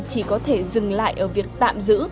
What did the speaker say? chỉ có thể dừng lại ở việc tạm giữ